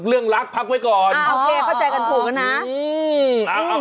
เรื่องรักพักไว้ก่อนโอเคเข้าใจกันถูกแล้วนะ